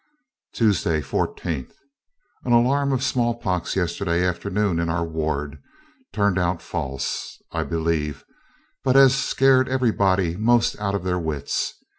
Tuesday, 14th. An alarm of small pox yesterday afternoon in our ward turned out false, I believe, but has scared everybody most out of their wits.